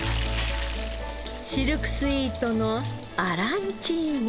シルクスイートのアランチーニ。